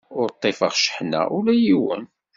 Ur ḍḍifeɣ cceḥna ula i yiwen.